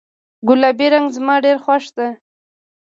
ګلابي رنګ زما ډیر خوښ ده